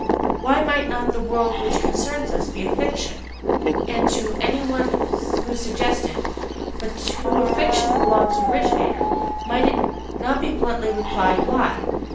Why might not the world WHICH CONCERNS US be a fiction? And to any one who suggested: "But to a fiction belongs an originator?" might it not be bluntly replied: WHY?